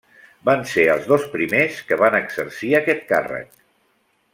Van ser els dos primers que van exercir aquest càrrec.